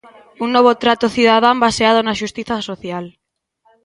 "Un novo trato cidadán baseado na xustiza social".